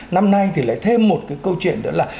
năm nay thì lại thêm một cái câu chuyện nữa là